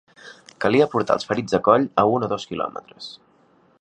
Calia portar els ferits a coll a un o dos quilòmetres